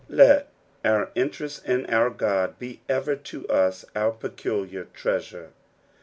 Let our interest in onr God be ever to us our peculiar treasure.